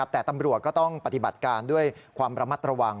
แต่ตำรวจก็ต้องปฏิบัติการด้วยความระมัดระวัง